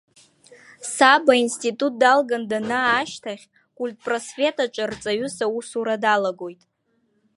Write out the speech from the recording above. Саб аинститут далган данаа ашьҭахь Культпросвет аҿы рҵаҩыс аусура далагоит.